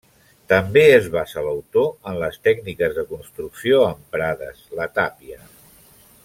També es basa l'autor en les tècniques de construcció emprades, la tàpia.